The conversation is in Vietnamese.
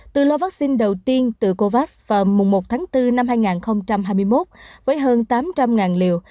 từ lô vaccine đầu tiên từ covax vào mùng một tháng bốn năm hai nghìn hai mươi một với hơn tám trăm linh liều